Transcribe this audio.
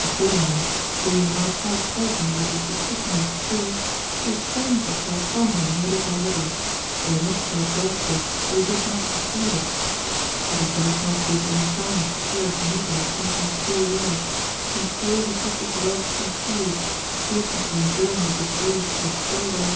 Accordingly, being now quite certain that her suspicion was true, she estranged herself from him little by little, though not so adroitly that he did not perceive it; but he durst not give any sign for fear of meeting with something still worse, and so he kept his love concealed, patiently enduring the disgrace he had so well deserved.